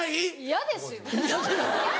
嫌ですよ。